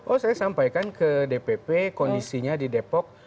oh saya sampaikan ke dpp kondisinya di depok